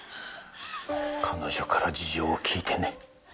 彼女から事情を聞いてね。